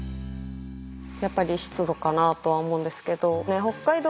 やっぱり湿度かなとは思うんですけど北海道